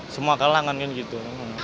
semua kelangan kan gitu